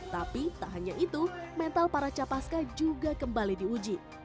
tapi tak hanya itu mental para capaska juga kembali diuji